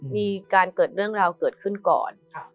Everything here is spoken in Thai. มีการเกิดเรื่องราวเกิดขึ้นก่อน